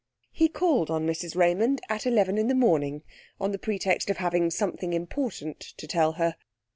He called on Mrs Raymond at eleven in the morning on the pretext of having something important to tell her.